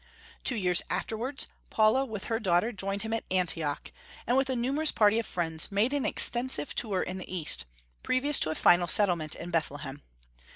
Two years afterwards, Paula, with her daughter, joined him at Antioch, and with a numerous party of friends made an extensive tour in the East, previous to a final settlement in Bethlehem.